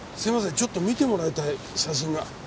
ちょっと見てもらいたい写真が。